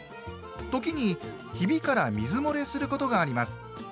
時にひびから水漏れすることがあります。